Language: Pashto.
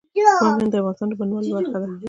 بامیان د افغانستان د بڼوالۍ برخه ده.